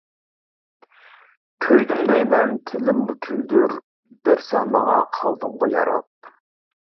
كۆيدۈم دەيمەن تىلىممۇ كۈلدۇر بىر سەن ماڭا قالدىڭغۇ ياراپ.